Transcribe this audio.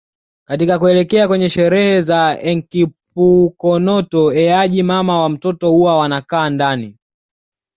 Katika kuelekea kwenye sherehe za Enkipukonoto Eaji mama na mtoto huwa wanakaa ndani